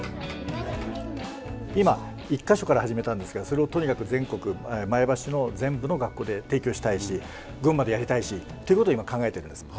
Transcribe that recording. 今１か所から始めたんですけどそれをとにかく全国前橋の全部の学校で提供したいし群馬でやりたいしっていうことを今考えているんです。